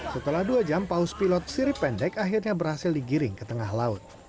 setelah dua jam paus pilot sirip pendek akhirnya berhasil digiring ke tengah laut